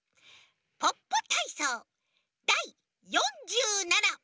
「ポッポたいそうだい４７」